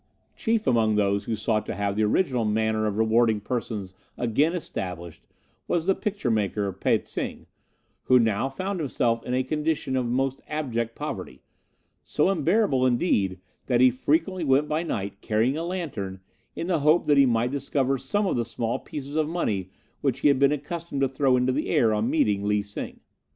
"Chief among those who sought to have the original manner of rewarding persons again established was the picture maker, Pe tsing, who now found himself in a condition of most abject poverty, so unbearable, indeed, that he frequently went by night, carrying a lantern, in the hope that he might discover some of the small pieces of money which he had been accustomed to throw into the air on meeting Lee Sing.